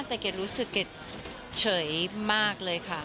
แต่เกดรู้สึกเกรดเฉยมากเลยค่ะ